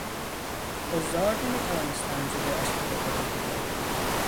حضار نمیتوانستند جلوی اشک خود را بگیرند.